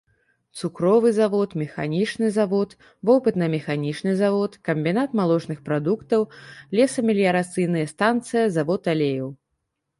Цукровы завод, механічны завод, вопытна-механічны завод, камбінат малочных прадуктаў, лесамеліярацыйная станцыя, завод алеяў.